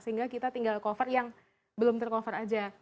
sehingga kita tinggal cover yang belum tercover aja